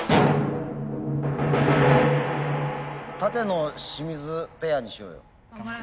舘野清水ペアにしようよ。